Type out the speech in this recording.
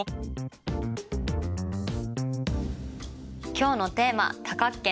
今日のテーマ「多角形の角」